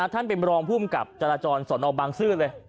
ท่านเป็นรองภูมิกับจราจรสอนอบางซื่อเลย